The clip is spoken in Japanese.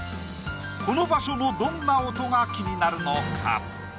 この場所のどんな音が気になるのか？